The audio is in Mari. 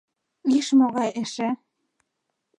Иш, могае эше!